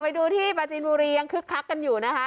ไปดูที่ปราจีนบุรียังคึกคักกันอยู่นะคะ